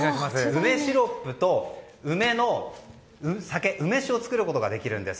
梅シロップと梅酒を作ることができるんです。